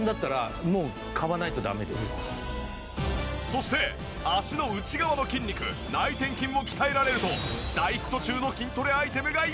そして脚の内側の筋肉内転筋を鍛えられると大ヒット中の筋トレアイテムがやばい！